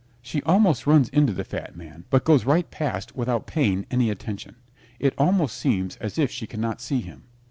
She almost runs into the Fat Man, but goes right past without paying any attention. It almost seems as if she cannot see him.